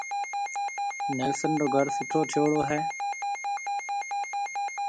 نيلسن رو گھر سُٺو ٺيوڙو ھيََََ